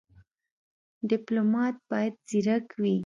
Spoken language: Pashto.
ډيپلومات بايد ځيرک وي.